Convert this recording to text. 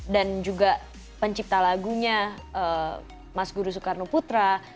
dan juga pencipta lagunya mas guru soekarno putra